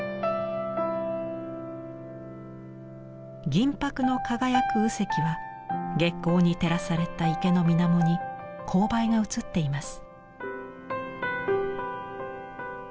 銀箔の輝く右隻は月光に照らされた池のみなもに紅梅が映っています。